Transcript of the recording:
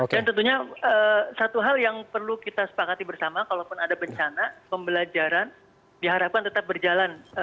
dan tentunya satu hal yang perlu kita sepakati bersama kalaupun ada bencana pembelajaran diharapkan tetap berjalan